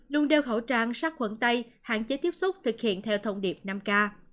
luôn đeo khẩu trang sát khuẩn tay hạn chế tiếp xúc thực hiện theo thông điệp năm k